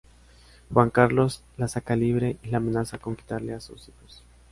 Juan Carlos la saca libre y la amenaza con quitarle a sus hijos.